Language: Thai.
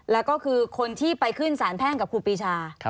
แล้วก็คือคนที่ไปขึ้นสารแพ่งกับครูปีชา